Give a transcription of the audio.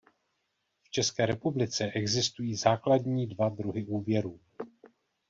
V České republice existují základní dva druhy úvěrů.